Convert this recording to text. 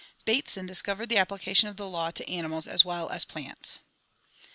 Bateson discovered the application of the law to animals as well as plants.